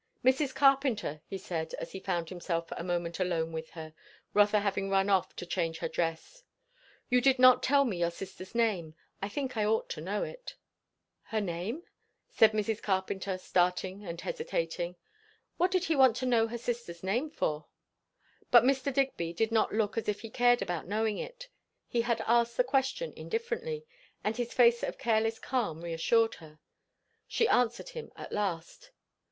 "Mrs. Carpenter," he said, as he found himself for a moment alone with her, Rotha having run off to change her dress, "you did not tell me your sister's name. I think I ought to know it." "Her name?" said Mrs. Carpenter starting and hesitating. What did he want to know her sister's name for? But Mr. Digby did not look as if he cared about knowing it; he had asked the question indifferently, and his face of careless calm reassured her. She answered him at last.